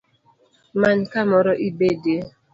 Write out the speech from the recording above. Many kamoro ibedie